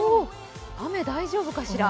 雨大丈夫かしら。